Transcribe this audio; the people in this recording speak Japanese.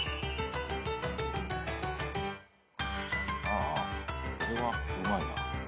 あこれはうまいな。